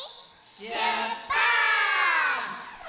しゅっぱつ！